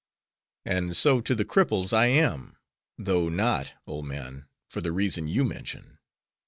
"And so, to the cripples I am; though not, old man, for the reason you mention.